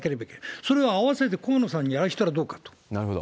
それを合わせて河野さんにやらしたらどうかと。